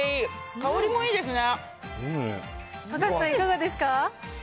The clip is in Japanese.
香りもいいですね。